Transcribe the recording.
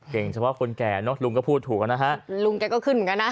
เก่งเฉพาะคนแก่เนอะลุงก็พูดถูกแล้วนะฮะลุงแกก็ขึ้นกันนะ